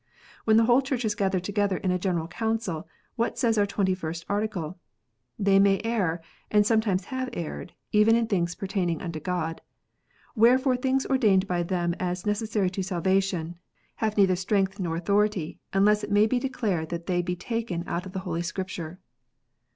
When the whole Church is gathered together in a General Council, what says our Twenty first Article ?" They may err, and sometimes have erred, even in things pertaining unto God. Wherefore things ordained by them as necessary to salvation, have neither strength nor author ity, unless it may be declared that they be taken out of Holy Scripture."